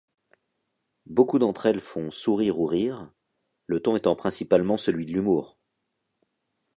Beaucoup d'entre elles font sourire ou rire, le ton étant principalement celui de l'humour.